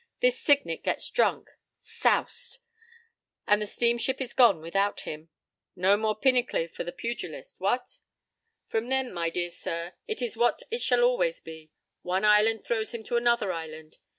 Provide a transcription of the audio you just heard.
This Signet gets drunk. 'Soused!' And the steamship is gone without him. No more pinochle for the pugilist, what?—From then, my dear sir, it is what it shall always be; one island throws him to another island.